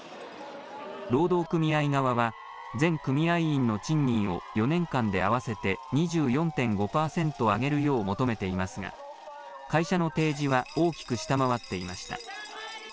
労働組合側は全組合員の賃金を４年間で合わせて２４．５％上げるよう求めていますが会社の提示は大きく下回っていました。